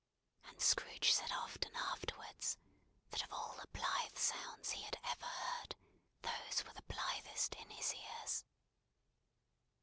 And Scrooge said often afterwards, that of all the blithe sounds he had ever heard, those were the blithest in his ears.